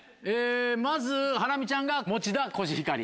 まずハラミちゃんが餅田コシヒカリ。